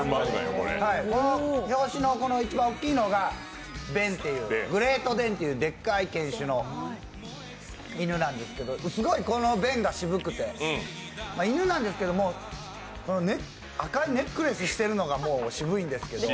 この表紙の一番大きいのがベンっていうグレートデンっていうでっかい犬種の犬なんですけどすごい、このベンが渋くて犬なんですけども、赤いネックレスしてるのが、もうシブいんですけど。